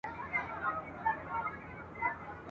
په نغمه کي به شرنګېږم لکه ومه ..